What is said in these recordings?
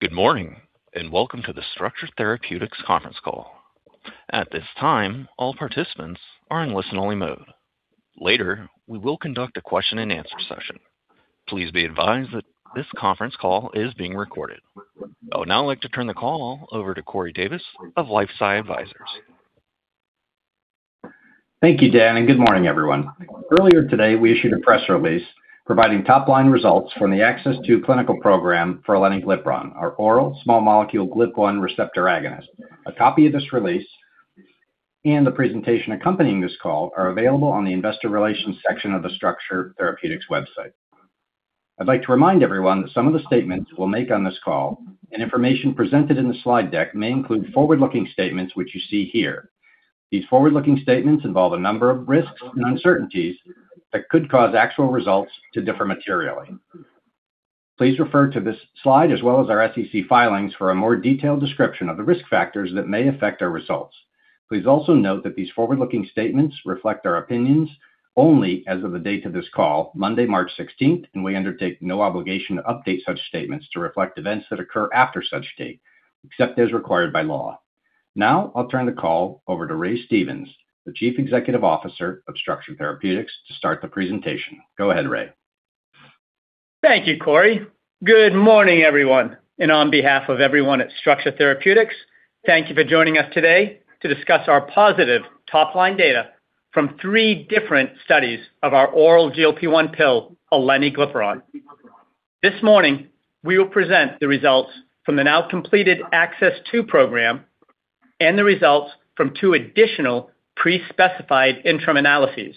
Good morning, and welcome to the Structure Therapeutics conference call. At this time, all participants are in listen-only mode. Later, we will conduct a question-and-answer session. Please be advised that this conference call is being recorded. I would now like to turn the call over to Corey Davis of LifeSci Advisors. Thank you, Dan, and good morning, everyone. Earlier today, we issued a press release providing top-line results from the ACCESS II clinical program for aleniglipron, our oral small molecule GLP-1 receptor agonist. A copy of this release and the presentation accompanying this call are available on the investor relations section of the Structure Therapeutics website. I'd like to remind everyone that some of the statements we'll make on this call and information presented in the slide deck may include forward-looking statements, which you see here. These forward-looking statements involve a number of risks and uncertainties that could cause actual results to differ materially. Please refer to this slide, as well as our SEC filings, for a more detailed description of the risk factors that may affect our results. Please also note that these forward-looking statements reflect our opinions only as of the date of this call, Monday, March 16th, and we undertake no obligation to update such statements to reflect events that occur after such date, except as required by law. Now I'll turn the call over to Ray Stevens, the Chief Executive Officer of Structure Therapeutics, to start the presentation. Go ahead, Raymond. Thank you, Corey. Good morning, everyone, and on behalf of everyone at Structure Therapeutics, thank you for joining us today to discuss our positive top-line data from three different studies of our oral GLP-1 pill, aleniglipron. This morning, we will present the results from the now completed ACCESS II program and the results from two additional pre-specified interim analyses,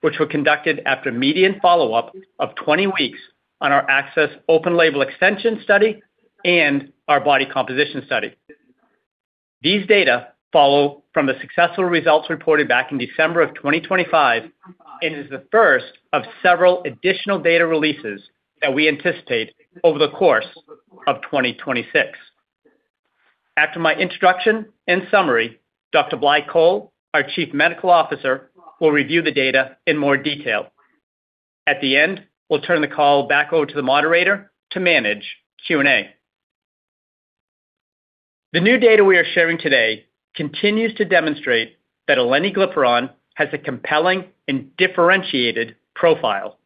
which were conducted after median follow-up of 20 weeks on our ACCESS open label extension study and our body composition study. These data follow from the successful results reported back in December of 2025 and is the first of several additional data releases that we anticipate over the course of 2026. After my introduction and summary, Dr. Blai Coll, our Chief Medical Officer, will review the data in more detail. At the end, we'll turn the call back over to the moderator to manage Q&A. The new data we are sharing today continues to demonstrate that aleniglipron has a compelling and differentiated profile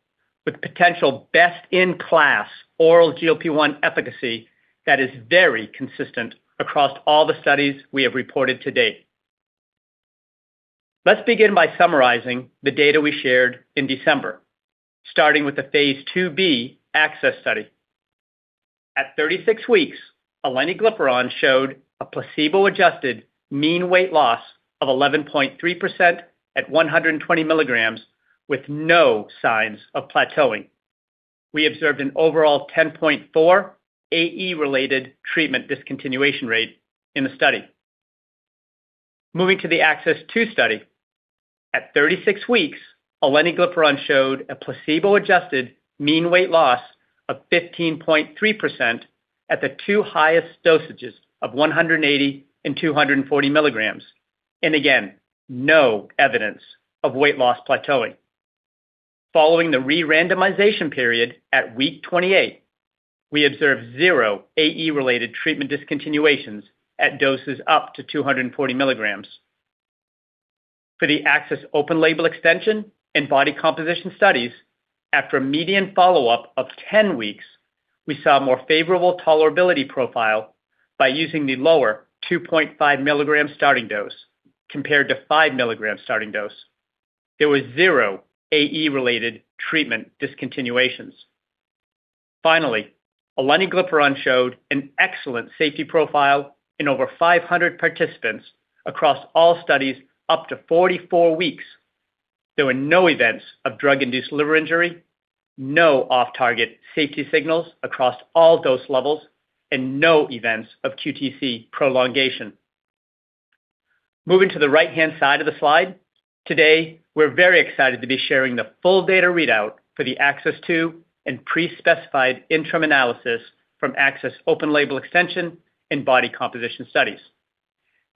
with potential best-in-class oral GLP-1 efficacy that is very consistent across all the studies we have reported to date. Let's begin by summarizing the data we shared in December, starting with the Phase IIb ACCESS study. At 36 weeks, aleniglipron showed a placebo-adjusted mean weight loss of 11.3% at 120 mg with no signs of plateauing. We observed an overall 10.4 AE-related treatment discontinuation rate in the study. Moving to the ACCESS II study. At 36 weeks, aleniglipron showed a placebo-adjusted mean weight loss of 15.3% at the two highest dosages of 180 and 240 mg, and again, no evidence of weight loss plateauing. Following the re-randomization period at week 28, we observed zero AE-related treatment discontinuations at doses up to 240 mg. For the ACCESS open label extension and body composition studies, after a median follow-up of 10 weeks, we saw a more favorable tolerability profile by using the lower 2.5 mg starting dose compared to 5 mg starting dose. There was zero AE-related treatment discontinuations. Finally, aleniglipron showed an excellent safety profile in over 500 participants across all studies up to 44 weeks. There were no events of drug-induced liver injury, no off-target safety signals across all dose levels, and no events of QTc prolongation. Moving to the right-hand side of the slide, today we're very excited to be sharing the full data readout for the ACCESS II and pre-specified interim analysis from ACCESS open label extension and body composition studies.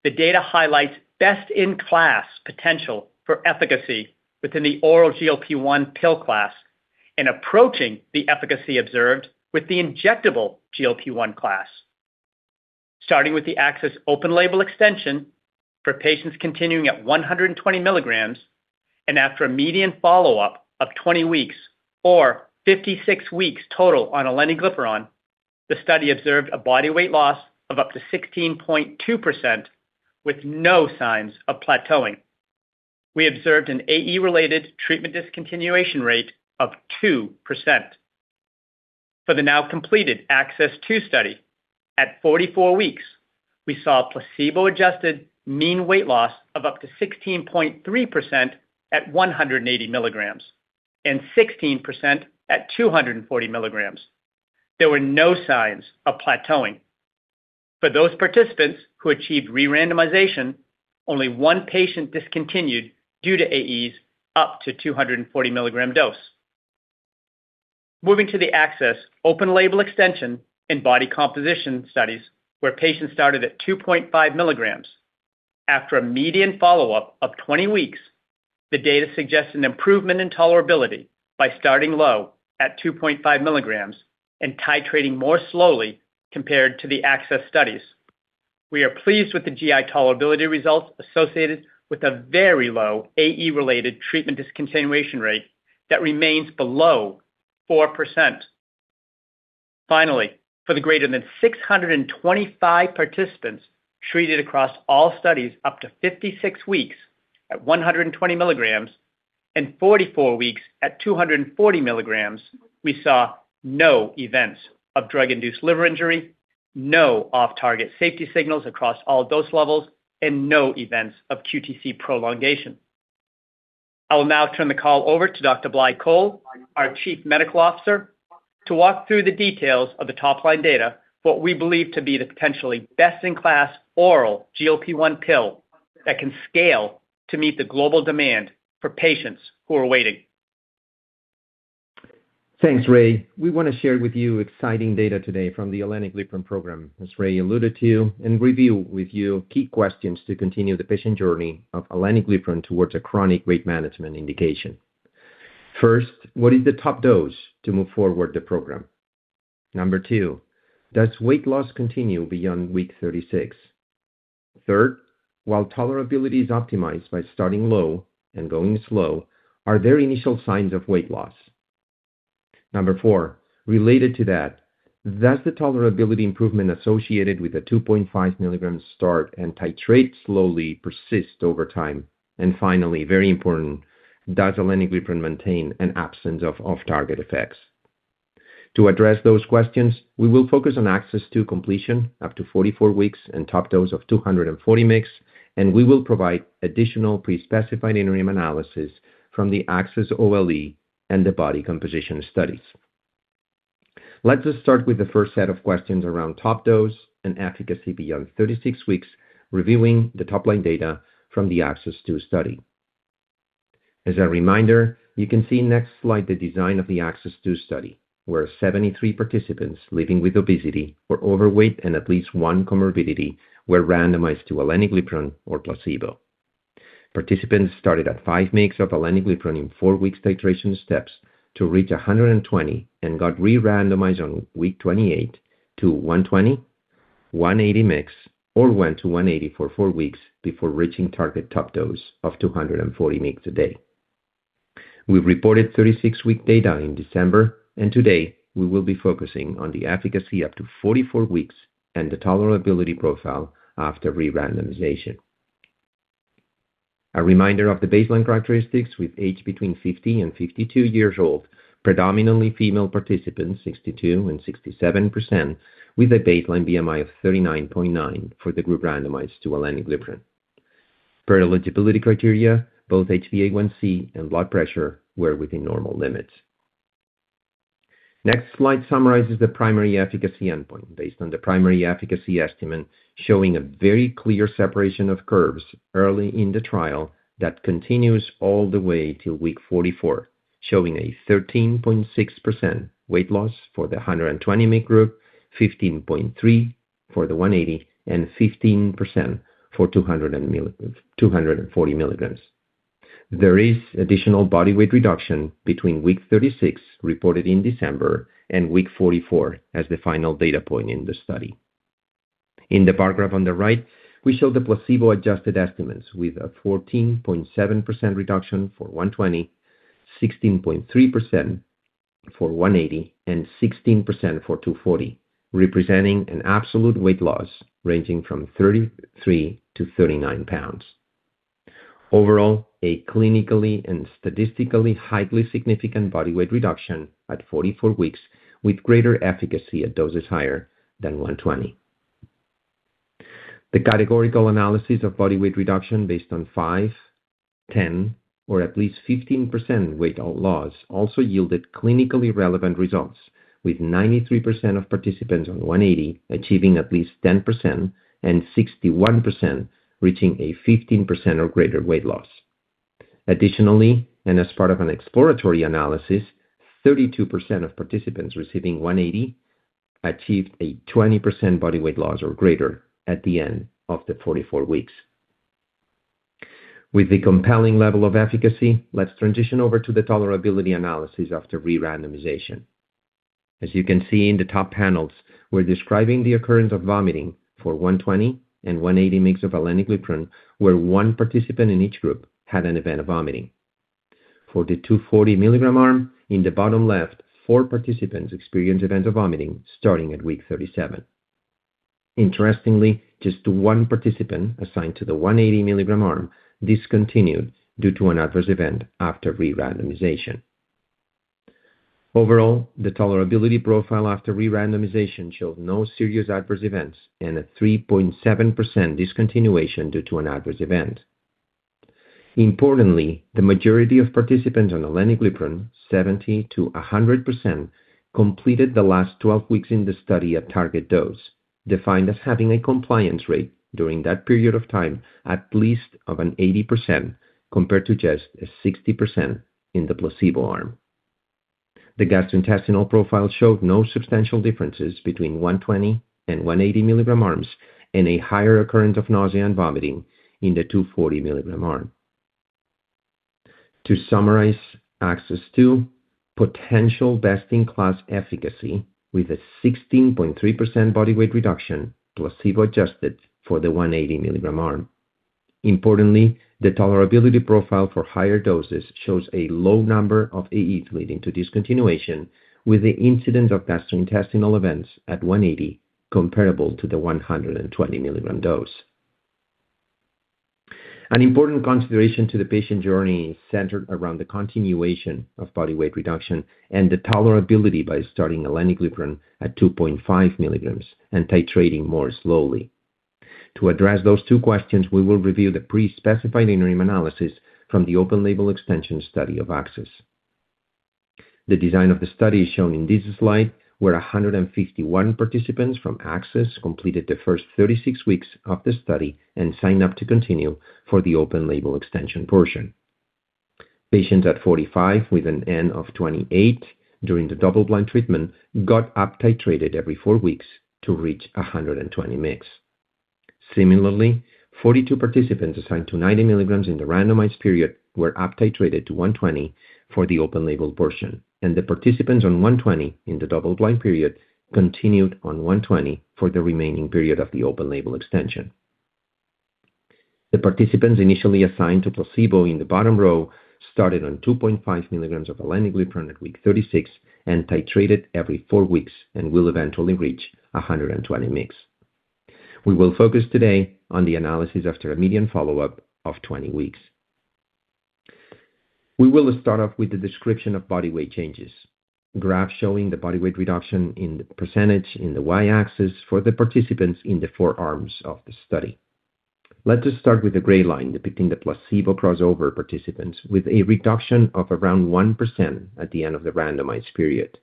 The data highlights best-in-class potential for efficacy within the oral GLP-1 pill class in approaching the efficacy observed with the injectable GLP-1 class. Starting with the ACCESS open label extension for patients continuing at 120 mg and after a median follow-up of 20 weeks or 56 weeks total on aleniglipron, the study observed a body weight loss of up to 16.2% with no signs of plateauing. We observed an AE-related treatment discontinuation rate of 2%. For the now completed ACCESS II study, at 44 weeks, we saw a placebo-adjusted mean weight loss of up to 16.3% at 180 mg and 16% at 240 mg. There were no signs of plateauing. For those participants who achieved re-randomization, only one patient discontinued due to AEs up to 240 mg dose. Moving to the ACCESS open label extension and body composition studies where patients started at 2.5 mg. After a median follow-up of 20 weeks, the data suggests an improvement in tolerability by starting low at 2.5 mg and titrating more slowly compared to the ACCESS studies. We are pleased with the GI tolerability results associated with a very low AE-related treatment discontinuation rate that remains below 4%. Finally, for the greater than 625 participants treated across all studies up to 56 weeks at 120 mg and 44 weeks at 240 mg, we saw no events of drug-induced liver injury, no off-target safety signals across all dose levels, and no events of QTc prolongation. I will now turn the call over to Dr. Blai Coll, our Chief Medical Officer, to walk through the details of the top-line data, what we believe to be the potentially best-in-class oral GLP-1 pill that can scale to meet the global demand for patients who are waiting. Thanks, Raymond. We want to share with you exciting data today from the aleniglipron program, as Ray alluded to, and review with you key questions to continue the patient journey of aleniglipron towards a chronic weight management indication. First, what is the top dose to move forward the program? Number two, does weight loss continue beyond week 36? Third, while tolerability is optimized by starting low and going slow, are there initial signs of weight loss? Number four, related to that, does the tolerability improvement associated with a 2.5 mg start and titrate slowly persist over time? Finally, very important, does aleniglipron maintain an absence of off-target effects? To address those questions, we will focus on ACCESS to completion up to 44 weeks and top dose of 240 mg, and we will provide additional pre-specified interim analysis from the ACCESS OLE and the body composition studies. Let us start with the first set of questions around top dose and efficacy beyond 36 weeks, reviewing the top-line data from the ACCESS II study. As a reminder, you can see next slide the design of the ACCESS II study, where 73 participants living with obesity or overweight and at least one comorbidity were randomized to aleniglipron or placebo. Participants started at 5 mg of aleniglipron in 4-week titration steps to reach 120 and got re-randomized on week 28 to 120, 180 mg or went to 180 for four weeks before reaching target top dose of 240 mg today. We've reported 36-week data in December, and today we will be focusing on the efficacy up to 44 weeks and the tolerability profile after re-randomization. A reminder of the baseline characteristics with age between 50 and 52 years old, predominantly female participants, 62% and 67%, with a baseline BMI of 39.9 for the group randomized to aleniglipron. Per eligibility criteria, both HbA1c and blood pressure were within normal limits. Next slide summarizes the primary efficacy endpoint based on the primary efficacy estimate, showing a very clear separation of curves early in the trial that continues all the way till week 44, showing a 13.6% weight loss for the 120 mg group, 15.3% for the 180, and 15% for 240 mg. There is additional body weight reduction between week 36, reported in December, and week 44 as the final data point in the study. In the bar graph on the right, we show the placebo-adjusted estimates with a 14.7% reduction for 120, 16.3% for 180, and 16% for 240, representing an absolute weight loss ranging from 33-39 lbs. Overall, a clinically and statistically highly significant body weight reduction at 44 weeks with greater efficacy at doses higher than 120. The categorical analysis of body weight reduction based on 5%, 10%, or at least 15% weight loss also yielded clinically relevant results, with 93% of participants on 180 achieving at least 10% and 61% reaching a 15% or greater weight loss. Additionally, and as part of an exploratory analysis, 32% of participants receiving 180 achieved a 20% body weight loss or greater at the end of the 44 weeks. With the compelling level of efficacy, let's transition over to the tolerability analysis after re-randomization. As you can see in the top panels, we're describing the occurrence of vomiting for 120 and 180 mg of aleniglipron, where one participant in each group had an event of vomiting. For the 240-mg arm in the bottom left, four participants experienced events of vomiting starting at week 37. Interestingly, just one participant assigned to the 180-mg arm discontinued due to an adverse event after re-randomization. Overall, the tolerability profile after re-randomization showed no serious adverse events and a 3.7% discontinuation due to an adverse event. Importantly, the majority of participants on aleniglipron, 70%-100%, completed the last 12 weeks in the study at target dose, defined as having a compliance rate during that period of time at least of an 80% compared to just a 60% in the placebo arm. The gastrointestinal profile showed no substantial differences between 120 mg and 180 mg arms and a higher occurrence of nausea and vomiting in the 240-mg arm. To summarize ACCESS II, potential best-in-class efficacy with a 16.3% body weight reduction, placebo-adjusted for the 180-mg arm. Importantly, the tolerability profile for higher doses shows a low number of AEs leading to discontinuation, with the incidence of gastrointestinal events at 180 comparable to the 120-mg dose. An important consideration to the patient journey is centered around the continuation of body weight reduction and the tolerability by starting aleniglipron at 2.5 mg and titrating more slowly. To address those two questions, we will review the pre-specified interim analysis from the open label extension study of ACCESS. The design of the study is shown in this slide, where 151 participants from ACCESS completed the first 36 weeks of the study and signed up to continue for the open label extension portion. Patients at 45 with an N of 28 during the double-blind treatment got uptitrated every four weeks to reach 120 mg. Similarly, 42 participants assigned to 90 mg in the randomized period were uptitrated to 120 for the open label portion, and the participants on 120 in the double-blind period continued on 120 for the remaining period of the open label extension. The participants initially assigned to placebo in the bottom row started on 2.5 mg of aleniglipron at week 36 and titrated every four weeks and will eventually reach 120 mg. We will focus today on the analysis after a median follow-up of 20 weeks. We will start off with the description of body weight changes. Graph showing the body weight reduction in percentage in the Y-axis for the participants in the four arms of the study. Let us start with the gray line depicting the placebo crossover participants with a reduction of around 1% at the end of the randomized period.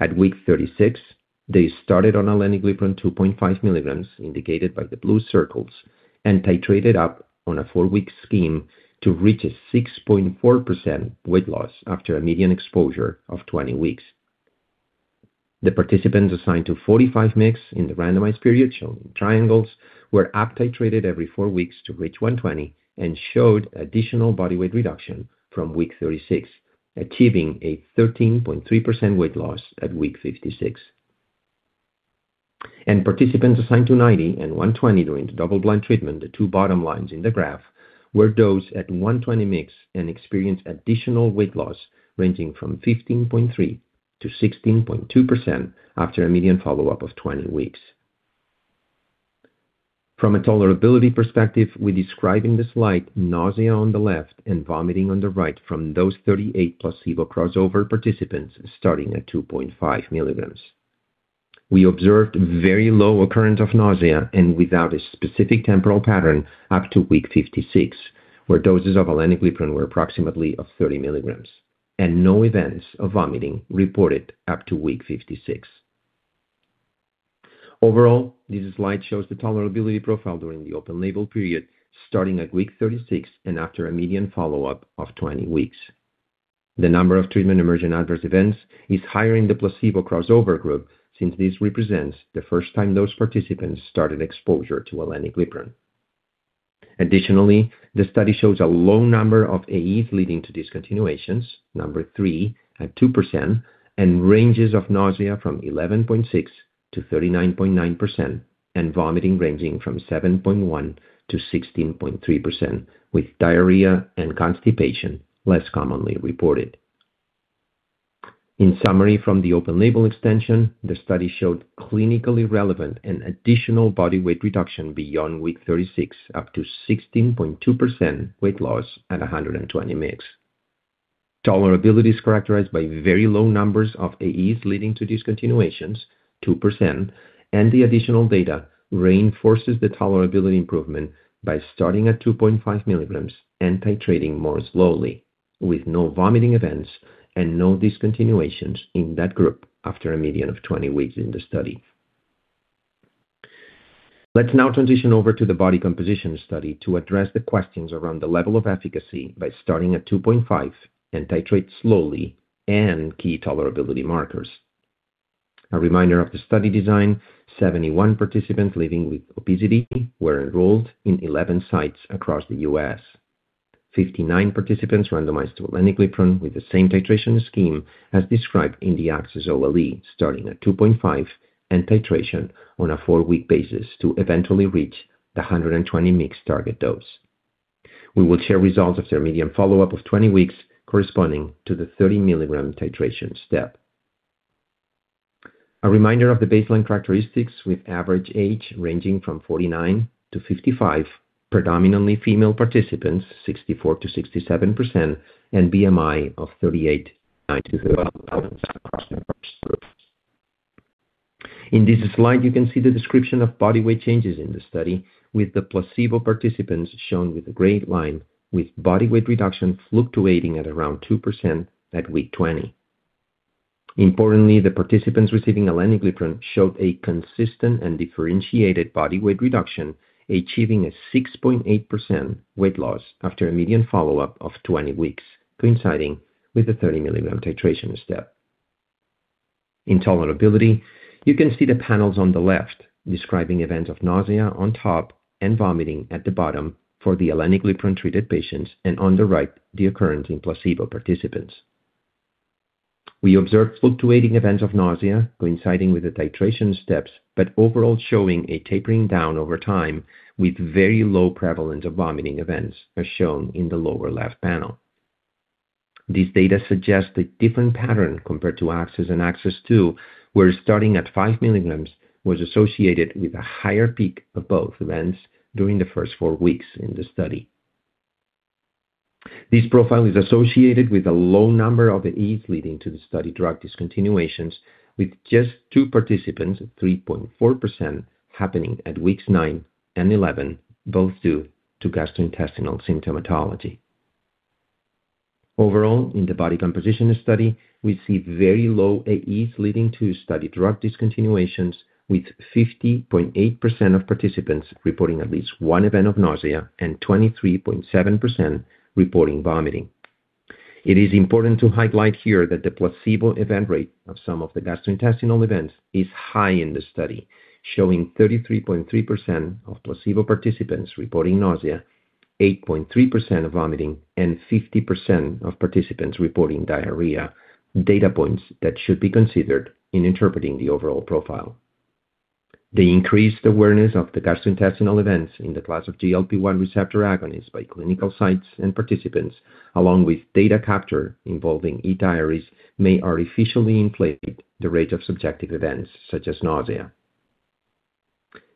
At week 36, they started on aleniglipron 2.5 mg, indicated by the blue circles, and titrated up on a four-week scheme to reach a 6.4% weight loss after a median exposure of 20 weeks. The participants assigned to 45 mg in the randomized period, shown in triangles, were uptitrated every four weeks to reach 120 and showed additional body weight reduction from week 36, achieving a 13.3% weight loss at week 56. Participants assigned to 90 and 120 during the double-blind treatment, the two bottom lines in the graph, were dosed at 120 mg and experienced additional weight loss ranging from 15.3% to 16.2% after a median follow-up of 20 weeks. From a tolerability perspective, we describe in the slide nausea on the left and vomiting on the right from those 38 placebo crossover participants starting at 2.5 mg. We observed very low occurrence of nausea and without a specific temporal pattern up to week 56, where doses of aleniglipron were approximately of 30 mg, and no events of vomiting reported up to week 56. Overall, this slide shows the tolerability profile during the open label period starting at week 36 and after a median follow-up of 20 weeks. The number of treatment-emergent adverse events is higher in the placebo crossover group since this represents the first time those participants started exposure to aleniglipron. Additionally, the study shows a low number of AEs leading to discontinuations, three at 2%, and ranges of nausea from 11.6%-39.9% and vomiting ranging from 7.1%-16.3%, with diarrhea and constipation less commonly reported. In summary, from the open label extension, the study showed clinically relevant and additional body weight reduction beyond week 36, up to 16.2% weight loss at 120 mg. Tolerability is characterized by very low numbers of AEs leading to discontinuations, 2%, and the additional data reinforces the tolerability improvement by starting at 2.5 mg and titrating more slowly with no vomiting events and no discontinuations in that group after a median of 20 weeks in the study. Let's now transition over to the body composition study to address the questions around the level of efficacy by starting at 2.5 and titrate slowly and key tolerability markers. A reminder of the study design, 71 participants living with obesity were enrolled in 11 sites across the U.S. 59 participants randomized to aleniglipron with the same titration scheme as described in the ACCESS OLE, starting at 2.5 and titration on a four-week basis to eventually reach the 120 mg target dose. We will share results of their median follow-up of 20 weeks corresponding to the 30-mg titration step. A reminder of the baseline characteristics with average age ranging from 49-55, predominantly female participants, 64%-67%, and BMI of 38 across the first groups. In this slide, you can see the description of body weight changes in the study with the placebo participants shown with a gray line, with body weight reduction fluctuating at around 2% at week 20. Importantly, the participants receiving aleniglipron showed a consistent and differentiated body weight reduction, achieving a 6.8% weight loss after a median follow-up of 20 weeks, coinciding with the 30-mg titration step. In tolerability, you can see the panels on the left describing events of nausea on top and vomiting at the bottom for the aleniglipron-treated patients, and on the right, the occurrence in placebo participants. We observed fluctuating events of nausea coinciding with the titration steps, but overall showing a tapering down over time with very low prevalence of vomiting events, as shown in the lower left panel. This data suggests a different pattern compared to ACCESS and ACCESS II, where starting at 5 mg was associated with a higher peak of both events during the first four weeks in the study. This profile is associated with a low number of AEs leading to the study drug discontinuations with just two participants, 3.4%, happening at weeks nine and 11, both due to gastrointestinal symptomatology. Overall, in the body composition study, we see very low AEs leading to study drug discontinuations, with 50.8% of participants reporting at least one event of nausea and 23.7% reporting vomiting. It is important to highlight here that the placebo event rate of some of the gastrointestinal events is high in the study, showing 33.3% of placebo participants reporting nausea, 8.3% vomiting, and 50% of participants reporting diarrhea, data points that should be considered in interpreting the overall profile. The increased awareness of the gastrointestinal events in the class of GLP-1 receptor agonists by clinical sites and participants, along with data capture involving eDiaries, may artificially inflate the rate of subjective events such as nausea.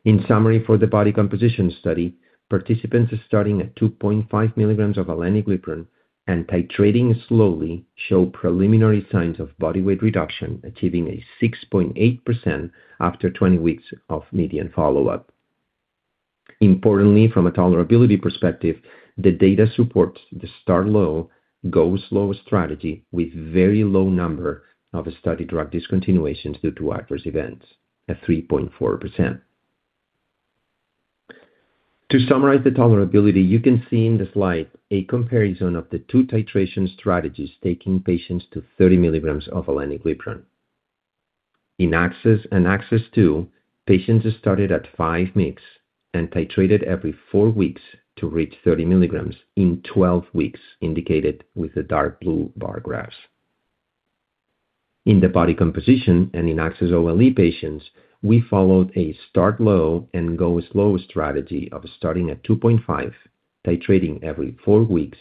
In summary, for the body composition study, participants starting at 2.5 mg of aleniglipron and titrating slowly show preliminary signs of body weight reduction, achieving a 6.8% after 20 weeks of median follow-up. Importantly, from a tolerability perspective, the data supports the start low, go slow strategy with very low number of study drug discontinuations due to adverse events at 3.4%. To summarize the tolerability, you can see in the slide a comparison of the two titration strategies taking patients to 30 mg of aleniglipron. In ACCESS and ACCESS II, patients started at 5 mg and titrated every four weeks to reach 30 mg in 12 weeks, indicated with the dark blue bar graphs. In the body composition and in ACCESS OLE patients, we followed a start low and go slow strategy of starting at 2.5 mg, titrating every four weeks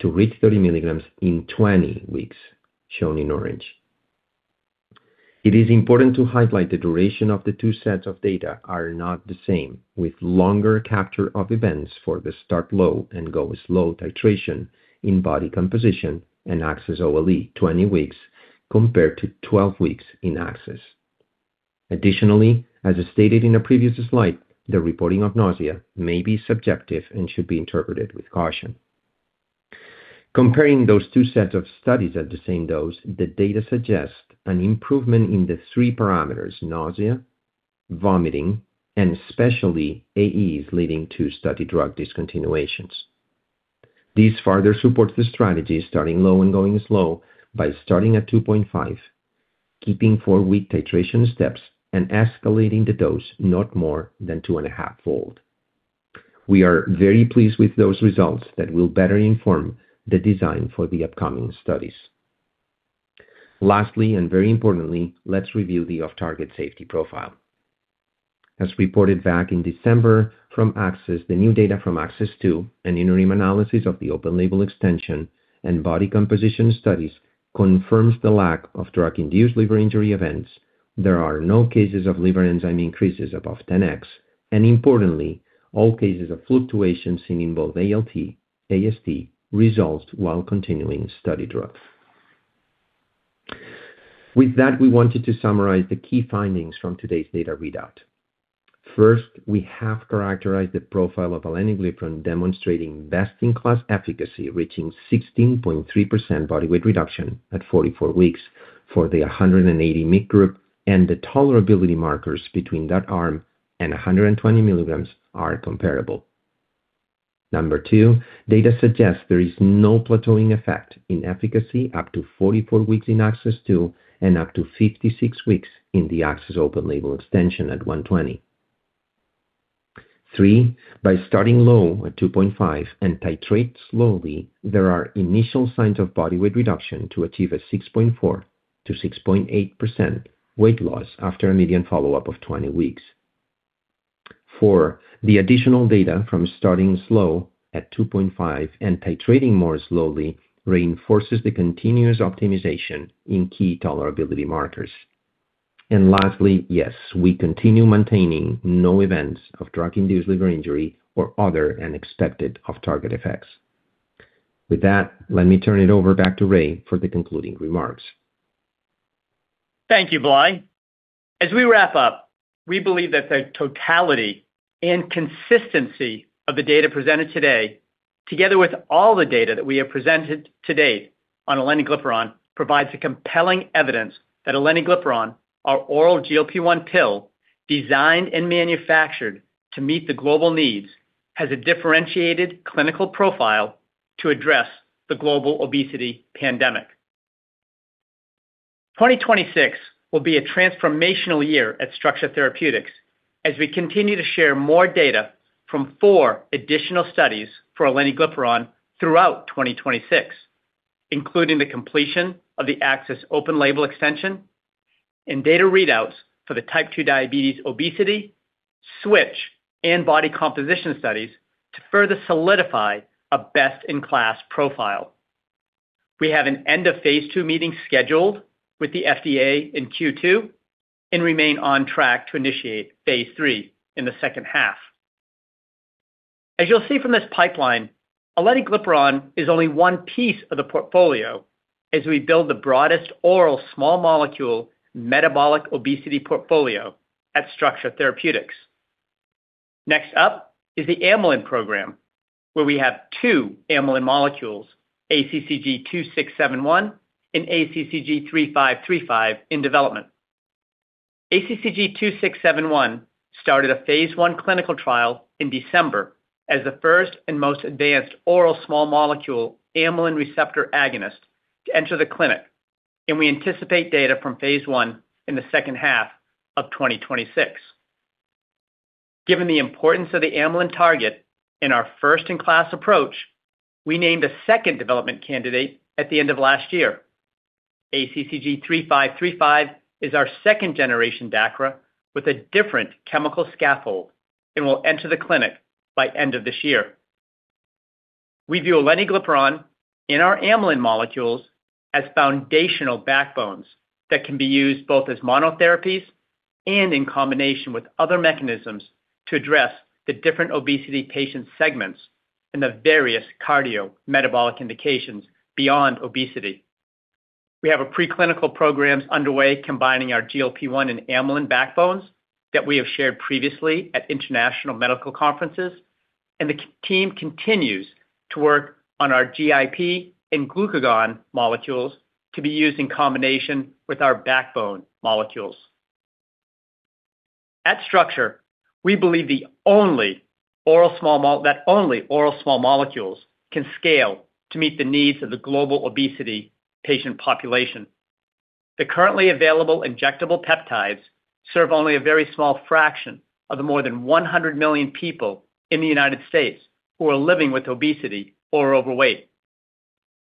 to reach 30 mg in 20 weeks, shown in orange. It is important to highlight the duration of the two sets of data are not the same, with longer capture of events for the start low and go slow titration in body composition and ACCESS OLE 20 weeks compared to 12 weeks in ACCESS. Additionally, as stated in a previous slide, the reporting of nausea may be subjective and should be interpreted with caution. Comparing those two sets of studies at the same dose, the data suggests an improvement in the three parameters, nausea, vomiting, and especially AEs leading to study drug discontinuations. This further supports the strategy starting low and going slow by starting at 2.5, keeping four-week titration steps, and escalating the dose not more than 2.5-fold. We are very pleased with those results that will better inform the design for the upcoming studies. Lastly, and very importantly, let's review the off-target safety profile. As reported back in December from ACCESS, the new data from ACCESS II, an interim analysis of the open-label extension and body composition studies confirms the lack of drug-induced liver injury events. There are no cases of liver enzyme increases above 10x, and importantly, all cases of fluctuations in both ALT, AST resolved while continuing study drugs. With that, we wanted to summarize the key findings from today's data readout. First, we have characterized the profile of aleniglipron, demonstrating best-in-class efficacy, reaching 16.3% body weight reduction at 44 weeks for the 180 mg group, and the tolerability markers between that arm and 120 mg are comparable. Number two, data suggests there is no plateauing effect in efficacy up to 44 weeks in ACCESS II and up to 56 weeks in the ACCESS open label extension at 120. Three, by starting low at 2.5 and titrate slowly, there are initial signs of body weight reduction to achieve a 6.4%-6.8% weight loss after a median follow-up of 20 weeks. Four, the additional data from starting slow at 2.5 and titrating more slowly reinforces the continuous optimization in key tolerability markers. Lastly, yes, we continue maintaining no events of drug-induced liver injury or other unexpected off-target effects. With that, let me turn it over back to Raymond for the concluding remarks. Thank you, Blai. As we wrap up, we believe that the totality and consistency of the data presented today, together with all the data that we have presented to date on aleniglipron, provides a compelling evidence that aleniglipron, our oral GLP-1 pill designed and manufactured to meet the global needs, has a differentiated clinical profile. To address the global obesity pandemic. 2026 will be a transformational year at Structure Therapeutics as we continue to share more data from four additional studies for aleniglipron throughout 2026, including the completion of the ACCESS open label extension and data readouts for the type two diabetes obesity, switch, and body composition studies to further solidify a best-in-class profile. We have an end of phase II meeting scheduled with the FDA in Q2 and remain on track to initiate phase three in the second half. As you'll see from this pipeline, aleniglipron is only one piece of the portfolio as we build the broadest oral small molecule metabolic obesity portfolio at Structure Therapeutics. Next up is the amylin program, where we have two amylin molecules, ACCG-2671 and ACCG-3535, in development. ACCG-2671 started a phase I clinical trial in December as the first and most advanced oral small molecule amylin receptor agonist to enter the clinic, and we anticipate data from phase I in the second half of 2026. Given the importance of the amylin target in our first-in-class approach, we named a second development candidate at the end of last year. ACCG-3535 is our second generation DACRA with a different chemical scaffold and will enter the clinic by end of this year. We view aleniglipron in our amylin molecules as foundational backbones that can be used both as monotherapies and in combination with other mechanisms to address the different obesity patient segments and the various cardiometabolic indications beyond obesity. We have a preclinical programs underway combining our GLP-1 and amylin backbones that we have shared previously at international medical conferences, and the chemistry team continues to work on our GIP and glucagon molecules to be used in combination with our backbone molecules. At Structure, we believe that only oral small molecules can scale to meet the needs of the global obesity patient population. The currently available injectable peptides serve only a very small fraction of the more than 100 million people in the United States who are living with obesity or are overweight.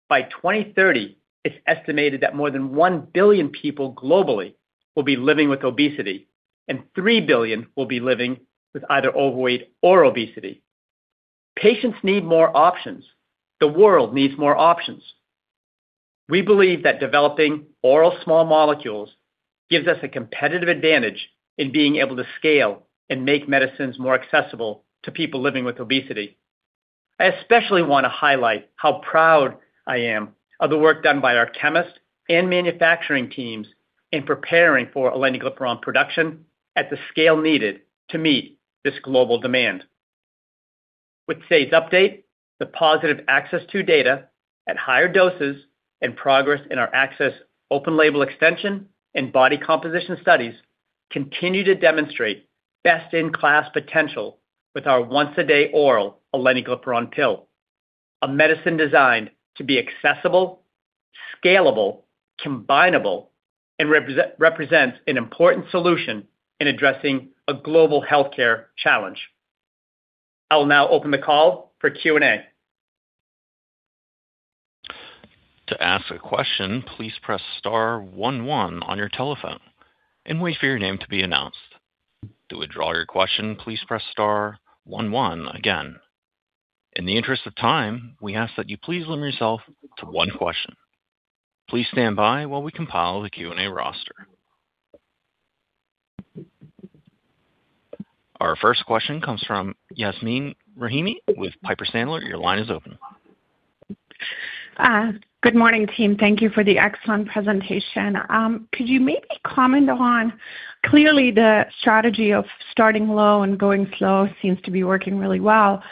By 2030, it's estimated that more than 1 billion people globally will be living with obesity and 3 billion will be living with either overweight or obesity. Patients need more options. The world needs more options. We believe that developing oral small molecules gives us a competitive advantage in being able to scale and make medicines more accessible to people living with obesity. I especially wanna highlight how proud I am of the work done by our chemists and manufacturing teams in preparing for aleniglipron production at the scale needed to meet this global demand. With today's update, the positive ACCESS II data at higher doses and progress in our ACCESS open label extension and body composition studies continue to demonstrate best-in-class potential with our once-a-day oral aleniglipron pill. A medicine designed to be accessible, scalable, combinable, and represents an important solution in addressing a global healthcare challenge. I will now open the call for Q&A. To ask a question, please press star one one on your telephone and wait for your name to be announced. To withdraw your question, please press star one one again. In the interest of time, we ask that you please limit yourself to one question. Please stand by while we compile the Q&A roster. Our first question comes from Yasmeen Rahimi with Piper Sandler. Your line is open. Good morning, team. Thank you for the excellent presentation. Could you maybe comment on clearly, the strategy of starting low and going slow seems to be working really well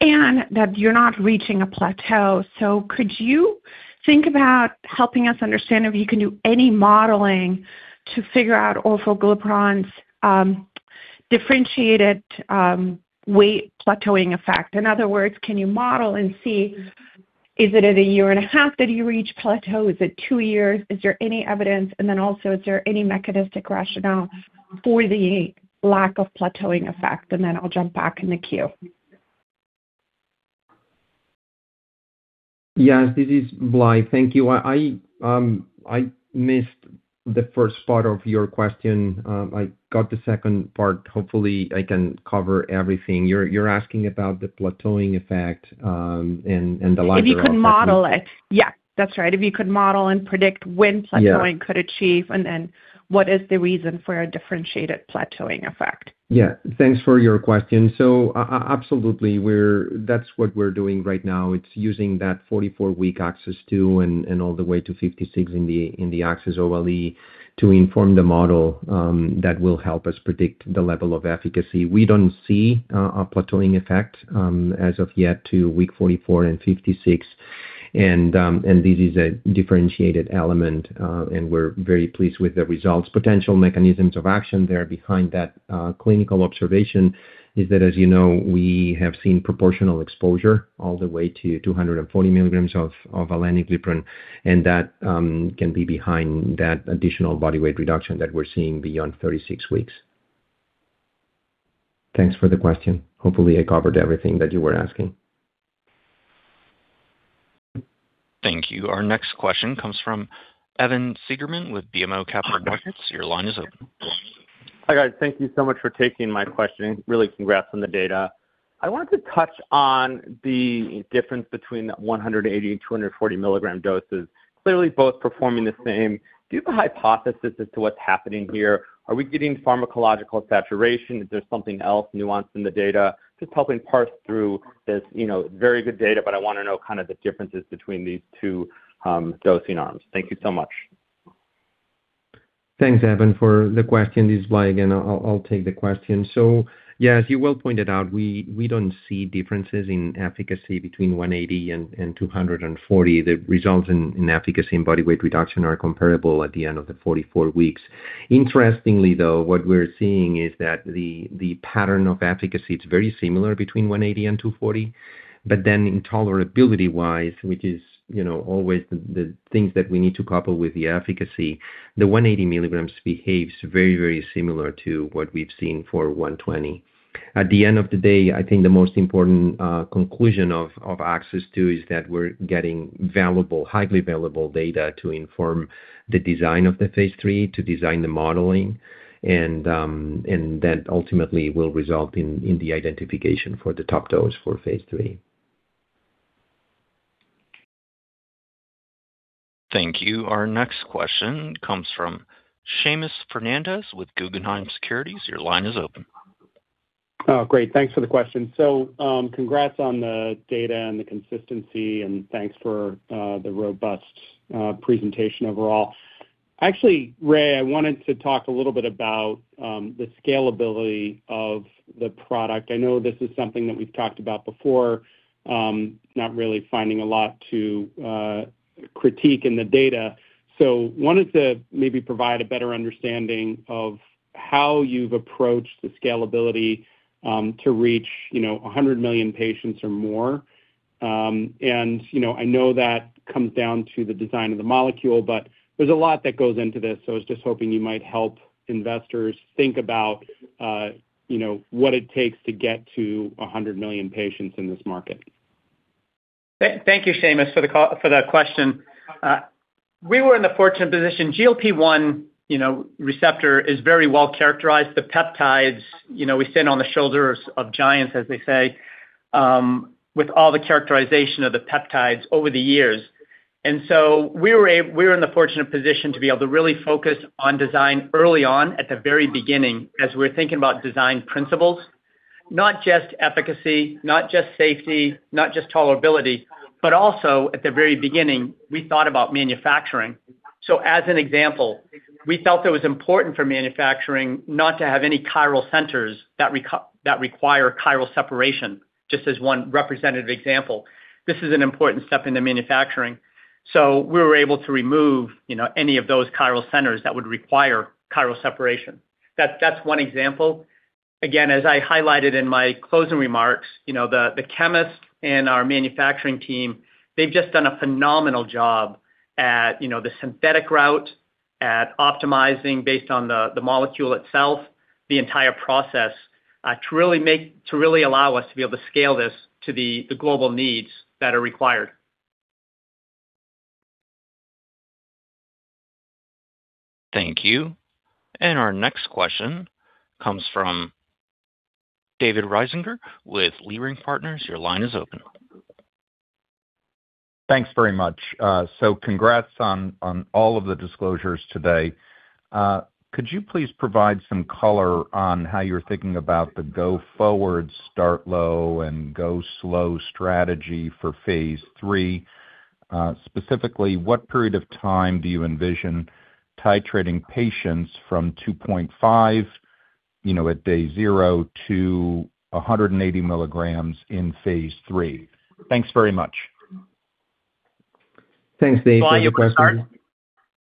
and that you're not reaching a plateau. Could you think about helping us understand if you can do any modeling to figure out if aleniglipron's differentiated weight plateauing effect? In other words, can you model and see is it at a year and a half that you reach plateau? Is it two years? Is there any evidence? Then also, is there any mechanistic rationale for the lack of plateauing effect? Then I'll jump back in the queue. Yes, this is Blai. Thank you. I missed the first part of your question. I got the second part. Hopefully, I can cover everything. You're asking about the plateauing effect, and the lack of- If you could model it. Yeah, that's right. If you could model and predict when. Yeah. Plateauing could achieve and what is the reason for a differentiated plateauing effect? Yeah. Thanks for your question. Absolutely, that's what we're doing right now. It's using that 44-week ACCESS II and all the way to 56 in the ACCESS OLE to inform the model that will help us predict the level of efficacy. We don't see a plateauing effect as of yet to week 44 and 56. This is a differentiated element, and we're very pleased with the results. Potential mechanisms of action there behind that clinical observation is that, as you know, we have seen proportional exposure all the way to 240 mg of aleniglipron, and that can be behind that additional body weight reduction that we're seeing beyond 36 weeks. Thanks for the question. Hopefully, I covered everything that you were asking. Thank you. Our next question comes from Evan Seigerman with BMO Capital Markets. Your line is open. Hi, guys. Thank you so much for taking my question. Really congrats on the data. I wanted to touch on the difference between the 180 mg and 240 mg doses. Clearly, both performing the same. Do you have a hypothesis as to what's happening here? Are we getting pharmacological saturation? Is there something else nuanced in the data? Just helping parse through this, you know, very good data, but I wanna know kind of the differences between these two, dosing arms. Thank you so much. Thanks, Evan, for the question. This is Blai again. I'll take the question. Yeah, as you well pointed out, we don't see differences in efficacy between 180 and 240. The results in efficacy and body weight reduction are comparable at the end of the 44 weeks. Interestingly, though, what we're seeing is that the pattern of efficacy, it's very similar between 180 and 240. Then in tolerability-wise, which is, you know, always the things that we need to couple with the efficacy, the 180 mg behaves very, very similar to what we've seen for 120. At the end of the day, I think the most important conclusion of ACCESS II is that we're getting valuable, highly valuable data to inform the design of the phase III, to design the modeling, and that ultimately will result in the identification for the top dose for phase III. Thank you. Our next question comes from Seamus Fernandez with Guggenheim Securities. Your line is open. Oh, great. Thanks for the question. Congrats on the data and the consistency, and thanks for the robust presentation overall. Actually, Raymond, I wanted to talk a little bit about the scalability of the product. I know this is something that we've talked about before, not really finding a lot to critique in the data. Wanted to maybe provide a better understanding of how you've approached the scalability to reach, you know, 100 million patients or more. You know, I know that comes down to the design of the molecule, but there's a lot that goes into this, so I was just hoping you might help investors think about, you know, what it takes to get to 100 million patients in this market. Thank you, Seamus, for the question. We were in the fortunate position. GLP-1, you know, receptor is very well characterized. The peptides, you know, we stand on the shoulders of giants, as they say, with all the characterization of the peptides over the years. We were in the fortunate position to be able to really focus on design early on at the very beginning as we're thinking about design principles. Not just efficacy, not just safety, not just tolerability, but also at the very beginning, we thought about manufacturing. So as an example, we felt it was important for manufacturing not to have any chiral centers that require chiral separation, just as one representative example. This is an important step in the manufacturing. We were able to remove, you know, any of those chiral centers that would require chiral separation. That's one example. Again, as I highlighted in my closing remarks, you know, the chemist and our manufacturing team, they've just done a phenomenal job at, you know, the synthetic route, at optimizing based on the molecule itself, the entire process, to really allow us to be able to scale this to the global needs that are required. Thank you. Our next question comes from David Risinger with Leerink Partners. Your line is open. Thanks very much. Congrats on all of the disclosures today. Could you please provide some color on how you're thinking about the go-forward start low and go slow strategy for phase III? Specifically, what period of time do you envision titrating patients from 2.5, you know, at day zero to 180 mg in phase II? Thanks very much. Thanks, Dave, for your question. Blai Coll, you can start.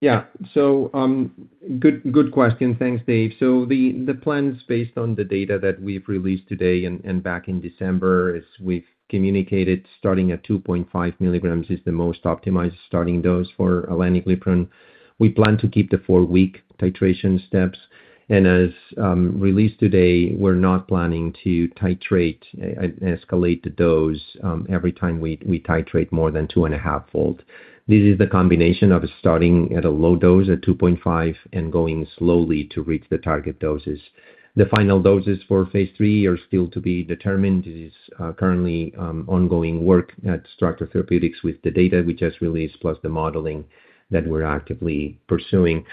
Yeah. Good question. Thanks, Dave. The plans based on the data that we've released today and back in December as we've communicated, starting at 2.5 mg is the most optimized starting dose for aleniglipron. We plan to keep the four-week titration steps. As released today, we're not planning to escalate the dose every time we titrate more than 2.5-fold. This is the combination of starting at a low dose at 2.5 and going slowly to reach the target doses. The final doses for phase III are still to be determined. It is currently ongoing work at Structure Therapeutics with the data we just released, plus the modeling that we're actively pursuing.